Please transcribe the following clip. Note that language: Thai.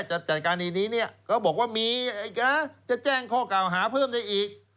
จะจัดการคณีนี้เขาบอกว่ามีจะแจ้งข้อเก่าหาเพิ่มได้อีก